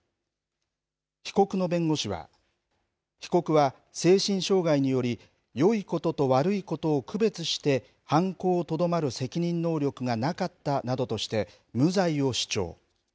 被告の弁護士は、被告は精神障害により、よいことと悪いことを区別して犯行をとどまる責任能力がなかったなどとして、無罪を主張。